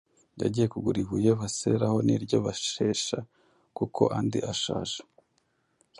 Yagiye kugura ibuye baseraho n’iryo bashesha, kuko andi ashaje.